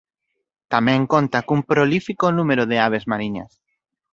Tamén conta cun prolífico número de aves mariñas.